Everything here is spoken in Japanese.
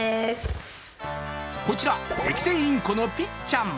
こちら、セキセイインコのぴっちゃん。